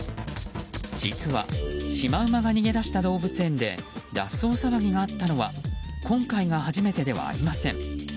実は、シマウマが逃げ出した動物園で脱走騒ぎがあったのは今回が初めてではありません。